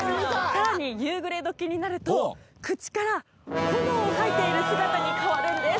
さらに夕暮れ時になると口から炎を吐いている姿に変わるんです。